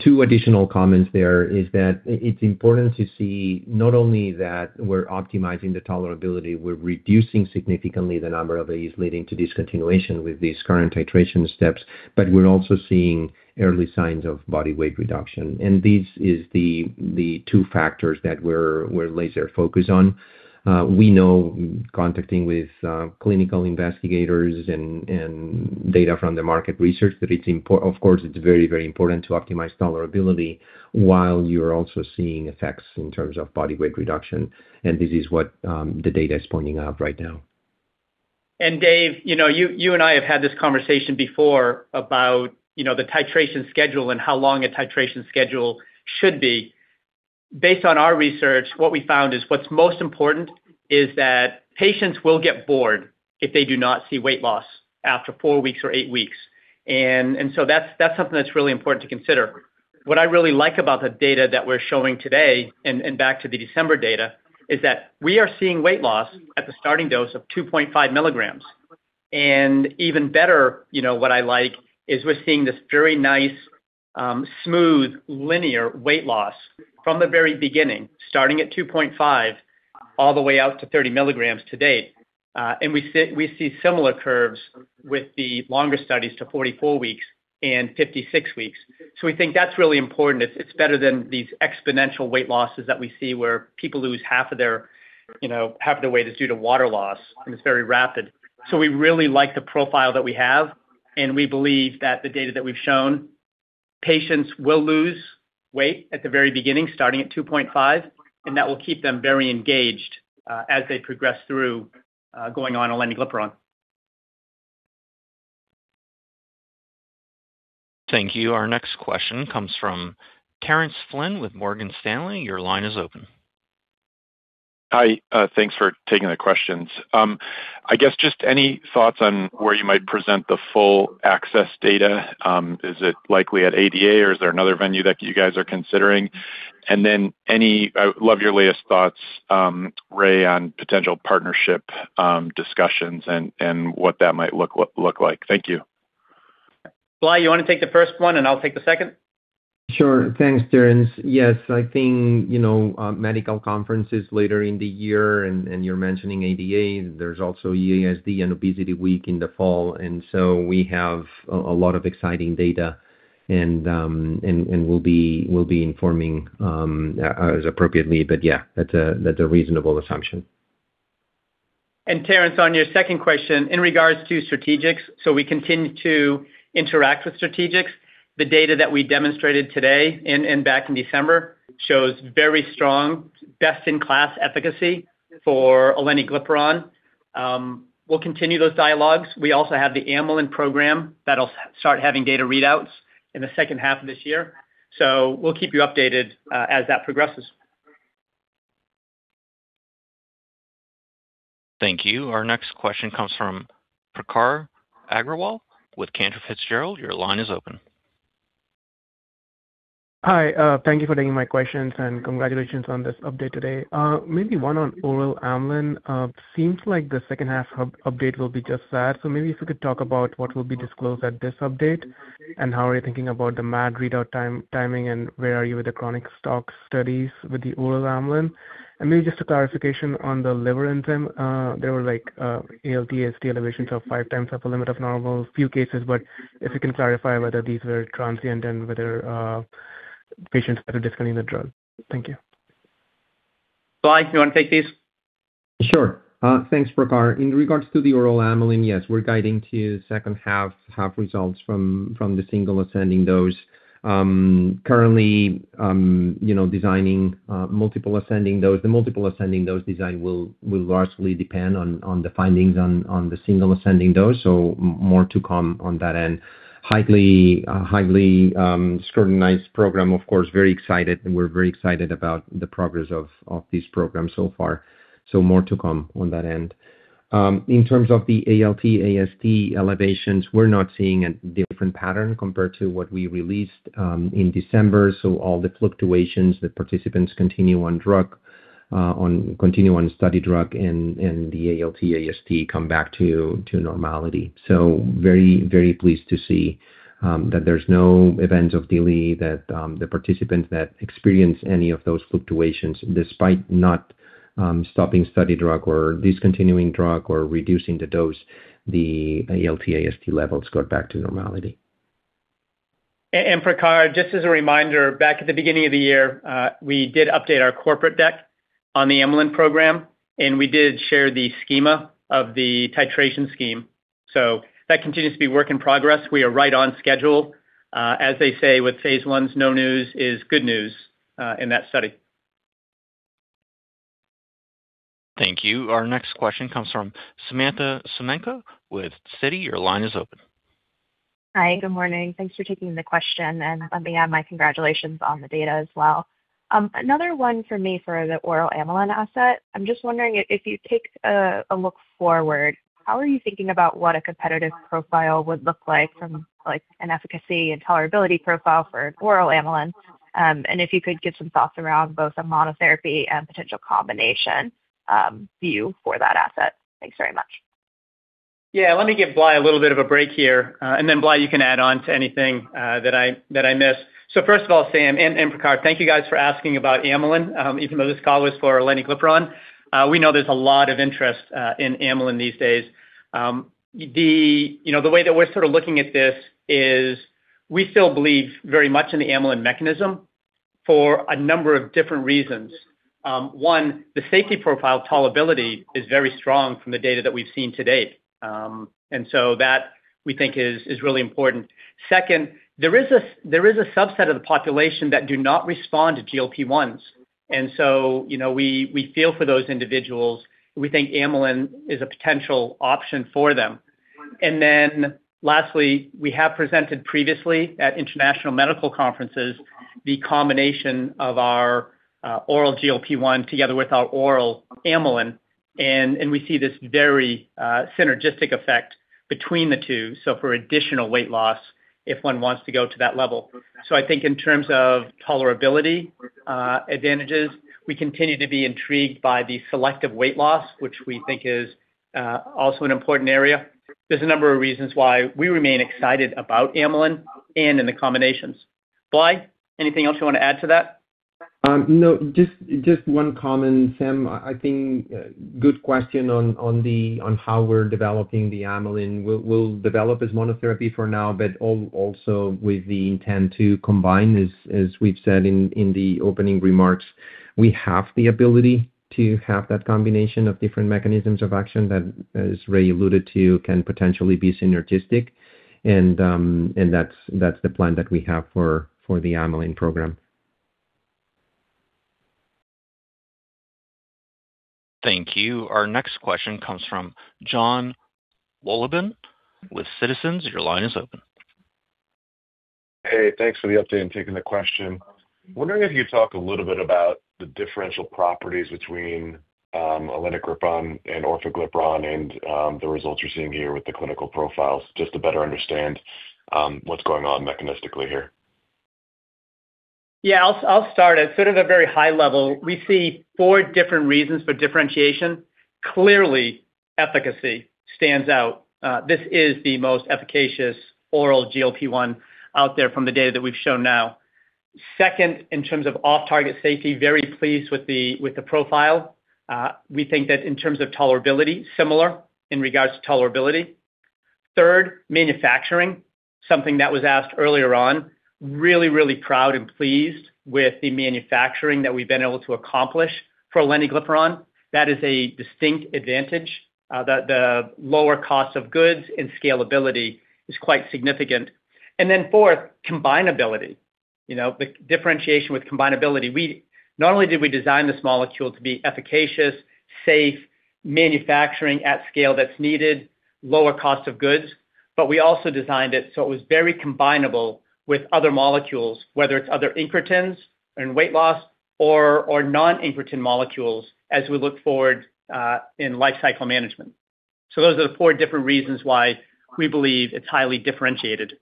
Two additional comments there is that it's important to see not only that we're optimizing the tolerability, we're reducing significantly the number of these leading to discontinuation with these current titration steps, but we're also seeing early signs of body weight reduction. This is the two factors that we're laser focused on. We know from contacting with clinical investigators and data from the market research that it's, of course, very, very important to optimize tolerability while you are also seeing effects in terms of body weight reduction. This is what the data is pointing out right now. Dave, you know, you and I have had this conversation before about, you know, the titration schedule and how long a titration schedule should be. Based on our research, what we found is what's most important is that patients will get bored if they do not see weight loss after four weeks or eight weeks. So that's something that's really important to consider. What I really like about the data that we're showing today, and back to the December data, is that we are seeing weight loss at the starting dose of 2.5 mg. Even better, you know, what I like is we're seeing this very nice, smooth linear weight loss from the very beginning, starting at 2.5 all the way out to 30 mg to date. We see similar curves with the longer studies to 44 weeks and 56 weeks. We think that's really important. It's better than these exponential weight losses that we see where people lose half of their, you know, half of their weight is due to water loss, and it's very rapid. We really like the profile that we have, and we believe that the data that we've shown, patients will lose weight at the very beginning, starting at 2.5, and that will keep them very engaged, as they progress through, going on aleniglipron. Thank you. Our next question comes from Terence Flynn with Morgan Stanley. Your line is open. Hi, thanks for taking the questions. I guess just any thoughts on where you might present the full ACCESS data. Is it likely at ADA, or is there another venue that you guys are considering? I would love your latest thoughts, Ray, on potential partnership discussions and what that might look like. Thank you. Blai, you wanna take the first one and I'll take the second? Sure. Thanks, Terence. Yes, I think, you know, medical conferences later in the year and you're mentioning ADA, there's also EASD and Obesity Week in the fall. We have a lot of exciting data and we'll be informing as appropriately. Yeah, that's a reasonable assumption. Terence, on your second question, in regards to strategics, we continue to interact with strategics. The data that we demonstrated today and back in December shows very strong best-in-class efficacy for aleniglipron. We'll continue those dialogues. We also have the amylin program that'll start having data readouts in the second half of this year. We'll keep you updated as that progresses. Thank you. Our next question comes from Prakhar Agrawal with Cantor Fitzgerald. Your line is open. Hi, thank you for taking my questions, and congratulations on this update today. Maybe one on oral amylin. Seems like the second half update will be just that. Maybe if you could talk about what will be disclosed at this update and how are you thinking about the MAD readout timing and where are you with the chronic tox studies with the oral amylin. Maybe just a clarification on the liver enzyme. There were like ALT, AST elevations of 5x upper limit of normal, few cases, but if you can clarify whether these were transient and whether patients are discontinuing the drug. Thank you. Blai, you wanna take these? Sure. Thanks, Prakhar. In regards to the oral amylin, yes, we're guiding to second half results from the single ascending dose. Currently, you know, designing multiple ascending dose. The multiple ascending dose design will largely depend on the findings on the single ascending dose. More to come on that end. Highly scrutinized program, of course, very excited, and we're very excited about the progress of this program so far. More to come on that end. In terms of the ALT, AST elevations, we're not seeing a different pattern compared to what we released in December. All the fluctuations that participants continue on study drug and the ALT, AST come back to normality. Very, very pleased to see that there's no events of DILI that the participants that experience any of those fluctuations despite not stopping study drug or discontinuing drug or reducing the dose, the ALT, AST levels got back to normality. Prakhar, just as a reminder, back at the beginning of the year, we did update our corporate deck on the amylin program, and we did share the schema of the titration scheme. That continues to be work in progress. We are right on schedule. As they say with phase Is, no news is good news in that study. Thank you. Our next question comes from Samantha Semenkow with Citi. Your line is open. Hi, good morning. Thanks for taking the question, and let me add my congratulations on the data as well. Another one for me for the oral amylin asset. I'm just wondering if you take a look forward, how are you thinking about what a competitive profile would look like from, like, an efficacy and tolerability profile for oral amylin? If you could give some thoughts around both a monotherapy and potential combination view for that asset. Thanks very much. Yeah, let me give Blai a little bit of a break here. And then Blai, you can add on to anything that I miss. First of all, Sam and Prakhar, thank you guys for asking about amylin. Even though this call is for aleniglipron, we know there's a lot of interest in amylin these days. You know, the way that we're sort of looking at this is we still believe very much in the amylin mechanism for a number of different reasons. One, the safety profile tolerability is very strong from the data that we've seen to date. And so that, we think is really important. Second, there is a subset of the population that do not respond to GLP-1s. You know, we feel for those individuals, we think amylin is a potential option for them. Lastly, we have presented previously at international medical conferences, the combination of our oral GLP-1 together with our oral amylin, and we see this very synergistic effect between the two, so for additional weight loss, if one wants to go to that level. I think in terms of tolerability advantages, we continue to be intrigued by the selective weight loss, which we think is also an important area. There's a number of reasons why we remain excited about amylin and in the combinations. Blai, anything else you wanna add to that? No, just one comment, Samantha. I think good question on how we're developing the amylin. We'll develop as monotherapy for now, but also with the intent to combine. As we've said in the opening remarks, we have the ability to have that combination of different mechanisms of action that, as Ray alluded to, can potentially be synergistic. That's the plan that we have for the amylin program. Thank you. Our next question comes from Jonathan Wolleben with Citizens JMP. Your line is open. Hey, thanks for the update and taking the question. Wondering if you could talk a little bit about the differential properties between aleniglipron and orforglipron and the results you're seeing here with the clinical profiles, just to better understand what's going on mechanistically here? Yeah. I'll start. At sort of a very high level, we see four different reasons for differentiation. Clearly, efficacy stands out. This is the most efficacious oral GLP-1 out there from the data that we've shown now. Second, in terms of off-target safety, very pleased with the profile. We think that in terms of tolerability, similar in regards to tolerability. Third, manufacturing, something that was asked earlier on. Really proud and pleased with the manufacturing that we've been able to accomplish for aleniglipron. That is a distinct advantage, the lower cost of goods and scalability is quite significant. Fourth, combinability. You know, the differentiation with combinability. We not only did we design this molecule to be efficacious, safe, manufacturing at scale that's needed, lower cost of goods, but we also designed it so it was very combinable with other molecules, whether it's other incretins in weight loss or non-incretin molecules as we look forward, in lifecycle management. Those are the four different reasons why we believe it's highly differentiated.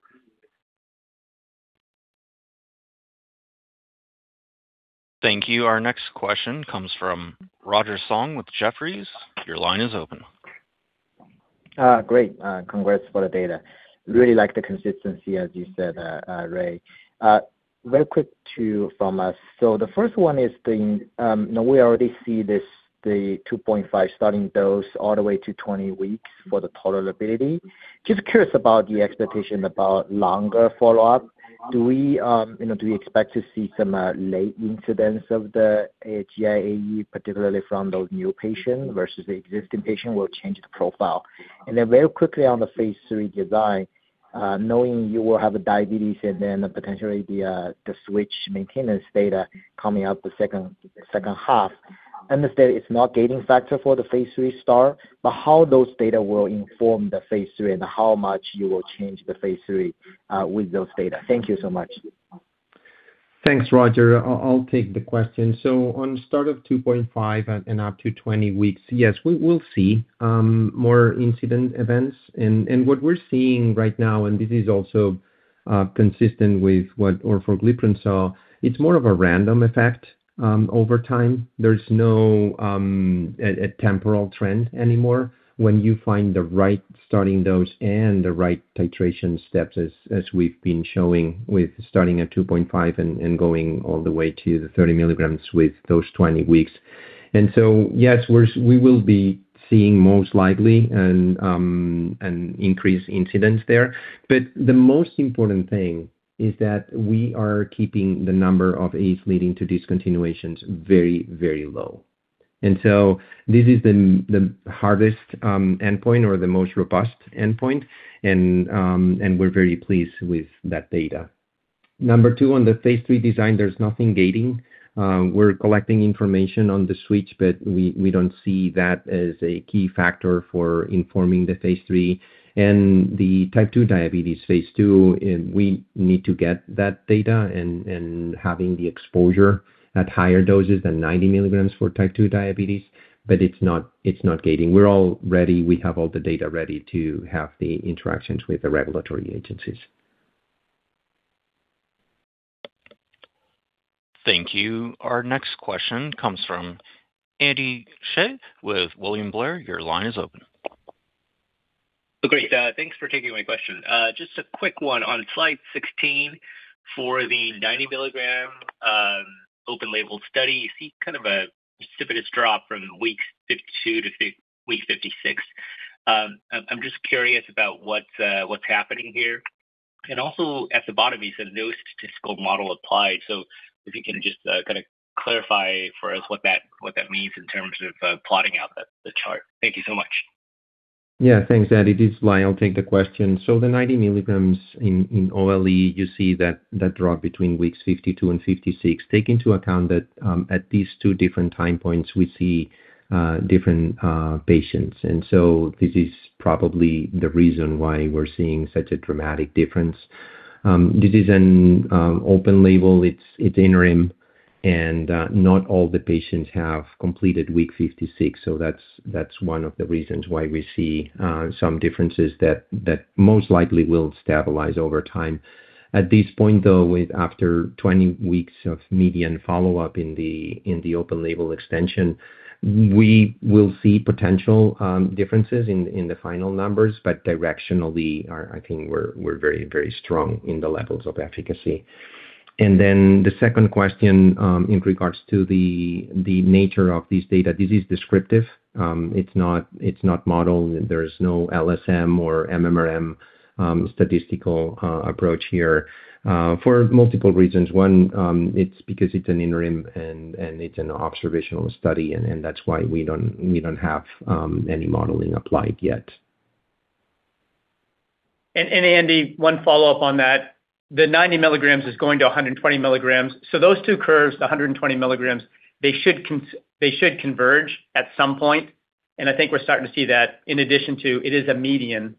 Thank you. Our next question comes from Roger Song with Jefferies. Your line is open. Great. Congrats for the data. Really like the consistency, as you said, Ray Stevens. Real quick to you from us. The first one is. Now, we already see this, the 2.5 starting dose all the way to 20 weeks for the tolerability. Just curious about the expectation about longer follow-up. Do we, you know, expect to see some late incidence of the GI AE, particularly from those new patients versus the existing patient will change the profile? And then very quickly on the phase 3 design, knowing you will have a diabetes and then potentially the switch maintenance data coming out the second half. Understand it's not gating factor for the phase III start, but how those data will inform the phase 3 and how much you will change the phase 3 with those data. Thank you so much. Thanks, Roger. I'll take the question. Starting at 2.5 and up to 20 weeks, yes, we will see more incidence events. What we're seeing right now, this is also consistent with what orforglipron saw. It's more of a random effect over time. There's no temporal trend anymore when you find the right starting dose and the right titration steps as we've been showing with starting at 2.5 and going all the way to the 30 mg with those 20 weeks. Yes, we will be seeing most likely an increased incidence there. But the most important thing is that we are keeping the number of AEs leading to discontinuations very, very low. This is the hardest endpoint or the most robust endpoint, and we're very pleased with that data. Number two, on the phase III design, there's nothing gating. We're collecting information on the switch, but we don't see that as a key factor for informing the phase III. The type two diabetes phase II, we need to get that data and having the exposure at higher doses than 90 mg for type two diabetes, but it's not gating. We're already. We have all the data ready to have the interactions with the regulatory agencies. Thank you. Our next question comes from Andy Hsieh with William Blair. Your line is open. Great. Thanks for taking my question. Just a quick one on slide 16. For the 90-mg open label study, you see kind of a precipitous drop from week 52 to week 56. I'm just curious about what's happening here. Also at the bottom you said no statistical model applied. If you can just kinda clarify for us what that means in terms of plotting out the chart. Thank you so much. Yeah, thanks, Andy. This is Lyle. I'll take the question. So the 90 mg in OLE, you see that drop between weeks 52 and 56. Take into account that at these two different time points we see different patients. This is probably the reason why we're seeing such a dramatic difference. This is an open label. It's interim and not all the patients have completed week 56, so that's one of the reasons why we see some differences that most likely will stabilize over time. At this point, though, with after 20 weeks of median follow-up in the open label extension, we will see potential differences in the final numbers, but directionally are. I think we're very strong in the levels of efficacy. The second question, in regards to the nature of this data. This is descriptive, it's not modeled. There is no LSM or MMRM statistical approach here, for multiple reasons. One, it's because it's an interim and it's an observational study and that's why we don't have any modeling applied yet. Andy, one follow-up on that. The 90 mg is going to 120 mg, so those two curves, the 120 mg, they should converge at some point. I think we're starting to see that in addition to it is a median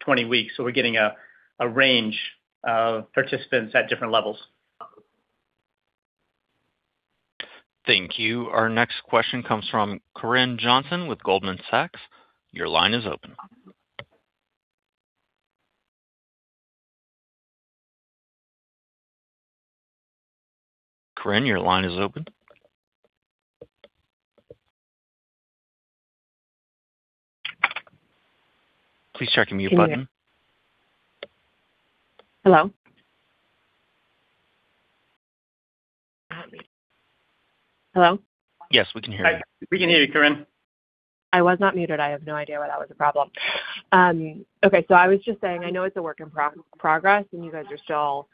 20 weeks. We're getting a range of participants at different levels. Thank you. Our next question comes from Corinne Johnson with Goldman Sachs. Your line is open. Corinne, your line is open. Please check your mute button. Hello? Hello? Yes, we can hear you. We can hear you, Corinne. I was not muted. I have no idea why that was a problem. Okay, so I was just saying I know it's a work in progress, and you guys are still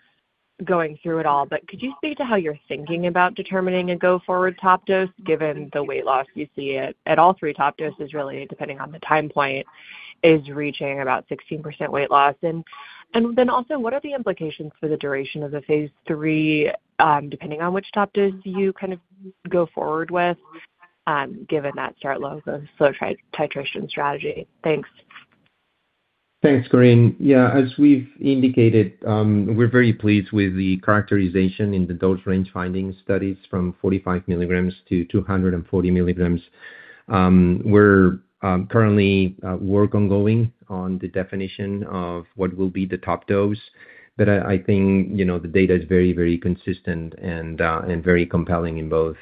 going through it all, but could you speak to how you're thinking about determining a go-forward top dose given the weight loss you see at all three top doses really, depending on the time point, is reaching about 16% weight loss? And then also what are the implications for the duration of the phase III, depending on which top dose you kind of go forward with, given that start low dose slow titration strategy? Thanks. Thanks, Corinne. Yeah, as we've indicated, we're very pleased with the characterization in the dose range finding studies from 45 mg to 240 mg. We're currently work is ongoing on the definition of what will be the top dose, but I think, you know, the data is very consistent and very compelling in both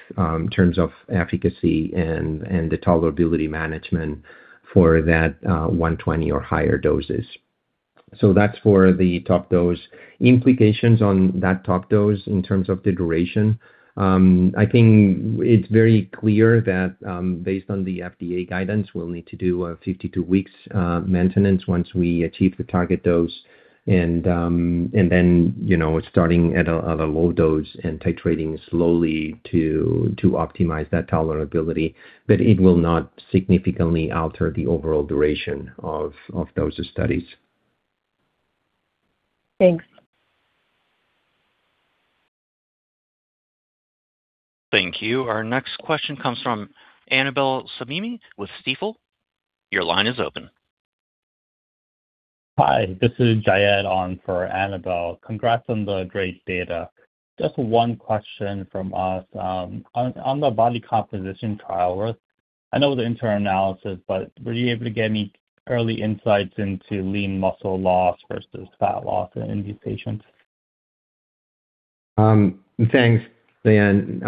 terms of efficacy and the tolerability management for that 120 or higher doses. That's for the top dose. Implications on that top dose in terms of the duration, I think it's very clear that, based on the FDA guidance, we'll need to do a 52-week maintenance once we achieve the target dose and then, you know, starting at a low dose and titrating slowly to optimize that tolerability. It will not significantly alter the overall duration of those studies. Thanks. Thank you. Our next question comes from Annabel Samimy with Stifel. Your line is open. Hi, this is Jayed on for Annabel Samimy. Congrats on the great data. Just one question from us. On the body composition trial, I know the interim analysis, but were you able to get any early insights into lean muscle loss versus fat loss in these patients? Thanks, Jayed.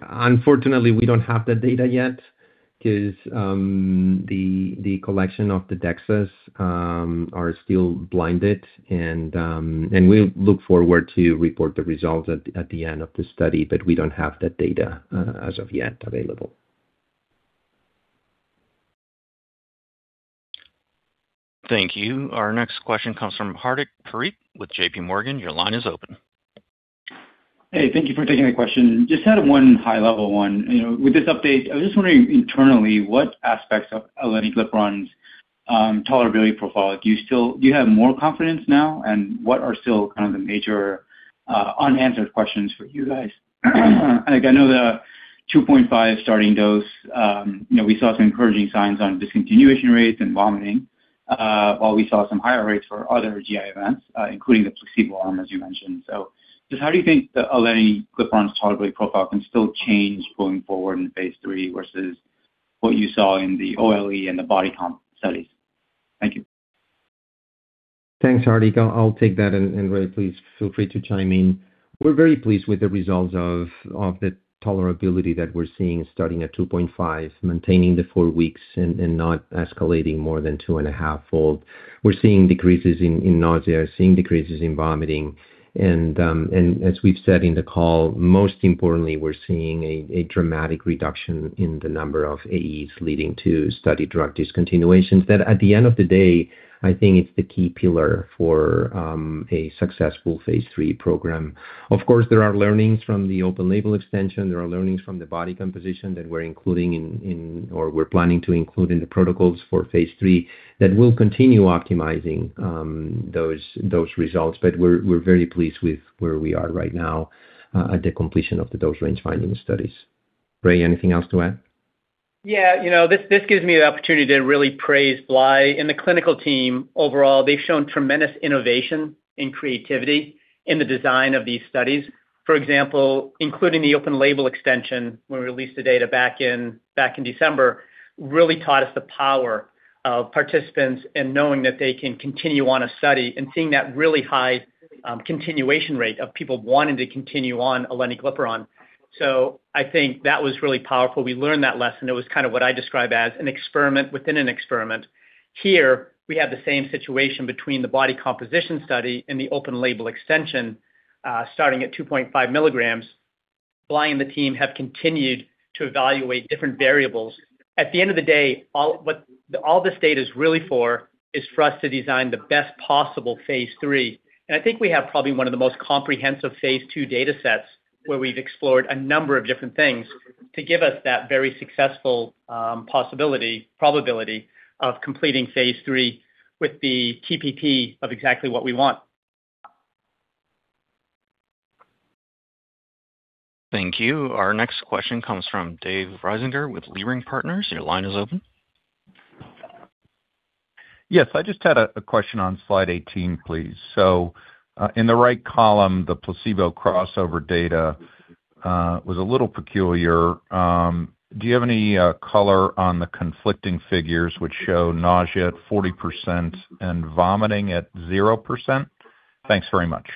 Unfortunately we don't have the data yet 'cause the collection of the DEXAs are still blinded and we look forward to report the results at the end of the study, but we don't have that data as of yet available. Thank you. Our next question comes from Hardik Parikh with JPMorgan. Your line is open. Hey, thank you for taking the question. Just had one high level one. You know, with this update I'm just wondering internally what aspects of aleniglipron's tolerability profile do you still have more confidence now, and what are still kind of the major unanswered questions for you guys? Like I know the 2.5 starting dose, you know, we saw some encouraging signs on discontinuation rates and vomiting, while we saw some higher rates for other GI events, including the placebo arm, as you mentioned. Just how do you think the aleniglipron's tolerability profile can still change going forward in phase III versus what you saw in the OLE and the body comp studies? Thank you. Thanks, Hardik. I'll take that and Ray, please feel free to chime in. We're very pleased with the results of the tolerability that we're seeing starting at 2.5, maintaining the four weeks and not escalating more than 2.5-fold. We're seeing decreases in nausea, seeing decreases in vomiting. As we've said in the call, most importantly, we're seeing a dramatic reduction in the number of AEs leading to study drug discontinuations. That, at the end of the day, I think it's the key pillar for a successful phase III program. Of course, there are learnings from the open label extension. There are learnings from the body composition that we're including in or we're planning to include in the protocols for phase III that we'll continue optimizing those results. We're very pleased with where we are right now, at the completion of the dose range finding studies. Ray, anything else to add? Yeah, you know, this gives me the opportunity to really praise Blai and the clinical team. Overall, they've shown tremendous innovation and creativity in the design of these studies. For example, including the open label extension when we released the data back in December, really taught us the power of participants and knowing that they can continue on a study and seeing that really high continuation rate of people wanting to continue on aleniglipron. I think that was really powerful. We learned that lesson. It was kind of what I describe as an experiment within an experiment. Here we have the same situation between the body composition study and the open label extension starting at 2.5 mg. Blai and the team have continued to evaluate different variables. At the end of the day, all. What all this data is really for is for us to design the best possible phase III. I think we have probably one of the most comprehensive phase II datasets where we've explored a number of different things to give us that very successful probability of completing phase III with the TPP of exactly what we want. Thank you. Our next question comes from David Risinger with Leerink Partners. Your line is open. Yes. I just had a question on slide 18, please. In the right column, the placebo crossover data was a little peculiar. Do you have any color on the conflicting figures which show nausea at 40% and vomiting at 0%? Thanks very much.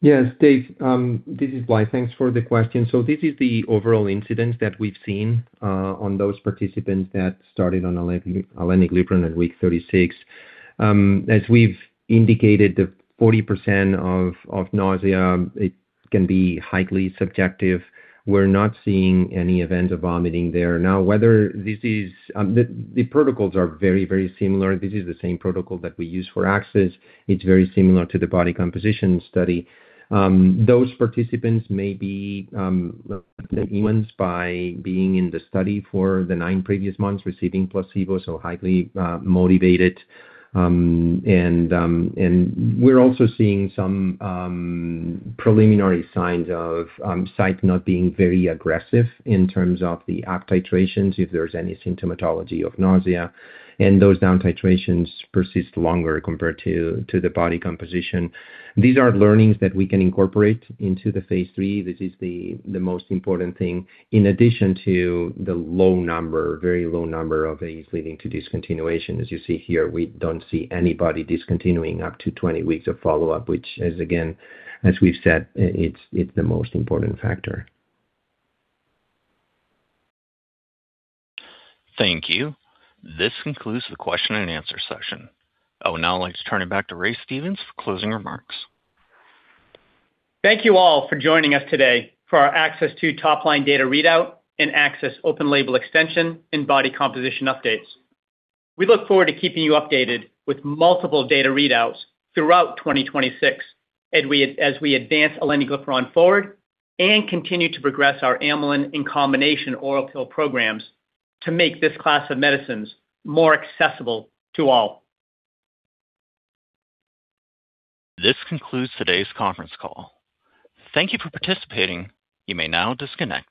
Yes, Dave, this is Blai Coll. Thanks for the question. This is the overall incidence that we've seen on those participants that started on aleniglipron at week 36. As we've indicated, the 40% of nausea, it can be highly subjective. We're not seeing any events of vomiting there. Now, whether this is the protocols are very, very similar. This is the same protocol that we use for ACCESS. It's very similar to the body composition study. Those participants may be influenced by being in the study for the 9 previous months, receiving placebo, so highly motivated. And we're also seeing some preliminary signs of site not being very aggressive in terms of the up titrations if there's any symptomatology of nausea, and those down titrations persist longer compared to the body composition. These are learnings that we can incorporate into the phase III. This is the most important thing. In addition to the low number, very low number of AEs leading to discontinuation. As you see here, we don't see anybody discontinuing up to 20 weeks of follow-up, which is again, as we've said, it's the most important factor. Thank you. This concludes the question and answer session. I would now like to turn it back to Ray Stevens for closing remarks. Thank you all for joining us today for our ACCESS II top line data readout and ACCESS open label extension and body composition updates. We look forward to keeping you updated with multiple data readouts throughout 2026 as we advance aleniglipron forward and continue to progress our amylin in combination oral pill programs to make this class of medicines more accessible to all. This concludes today's conference call. Thank you for participating. You may now disconnect.